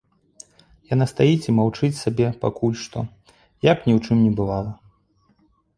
Яна стаіць і маўчыць сабе пакуль што, як ні ў чым не бывала.